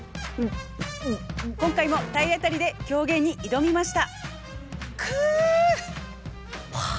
今回も体当たりで狂言に挑みました。